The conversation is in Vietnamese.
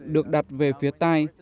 được đặt về phía tai